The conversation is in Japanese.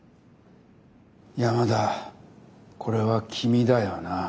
山田これは君だよな？